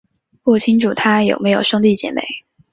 不清楚他有没有兄弟姊妹。